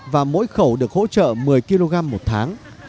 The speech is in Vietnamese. và mỗi khẩu được hỗ trợ một mươi kg một tháng